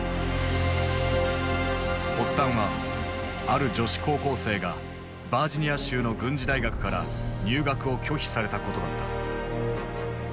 発端はある女子高校生がバージニア州の軍事大学から入学を拒否されたことだった。